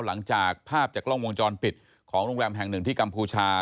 หลังจากภาพจากกล้องวงจรปิดของโรงแรมแห่งหนึ่งที่กัมพูชา